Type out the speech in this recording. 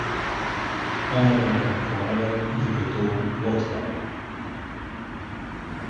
Araraquara decretou lockdown